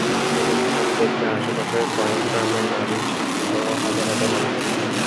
অনুষ্ঠান দেখতে আশপাশের কয়েক গ্রামের নারী, শিশুসহ হাজার হাজার মানুষ আসে।